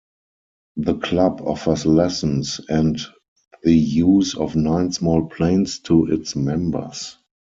The club offers lessons and the use of nine small planes to its members.